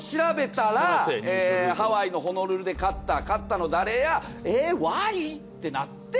ハワイのホノルルで買った買ったの誰やえぇＹ！？ってなって。